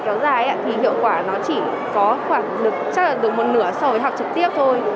chắc là được một nửa so với học trực tiếp thôi